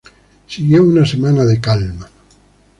Siguió una semana de calma.